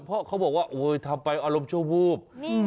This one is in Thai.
เพราะเขาบอกว่าทำไปอารมณ์ชั่วโม่ม